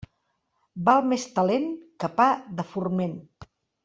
Val més talent que pa de forment.